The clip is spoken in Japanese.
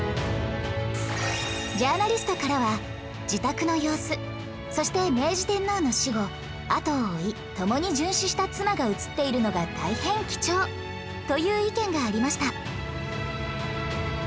ジャーナリストからは自宅の様子そして明治天皇の死後後を追い共に殉死した妻が映っているのが大変貴重という意見がありました